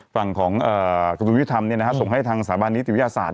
ฝั่งของกรุงวิทยุธรรมเนี่ยนะฮะส่งให้ทางสถาบันนิตยุวิทยาศาสตร์